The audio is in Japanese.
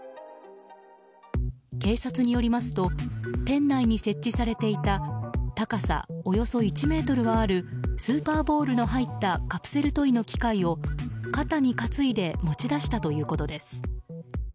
警察によりますと店内に設置されていた高さおよそ１ｍはあるスーパーボールの入ったカプセルトイの機械を肩に担いで持ち出したということです。